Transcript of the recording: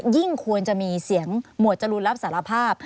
ควรจะมีเสียงหมวดจรูนรับสารภาพ